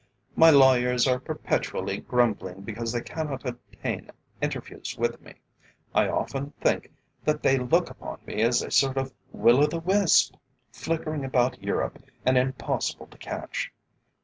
My lawyers are perpetually grumbling because they cannot obtain interviews with me. I often think that they look upon me as a sort of Will o' the Wisp, flickering about Europe, and impossible to catch.